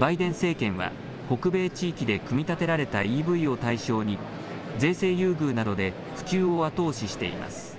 バイデン政権は北米地域で組み立てられたＥＶを対象に税制優遇などで普及を後押ししています。